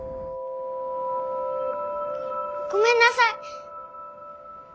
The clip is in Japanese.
ごめんなさい！